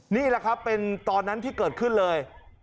นี่แหละครับเป็นตอนนั้นที่เกิดขึ้นเลย